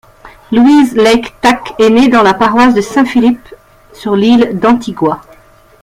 Louise Lake-Tack est née dans la paroisse de Saint-Philip sur l'île d'Antigua.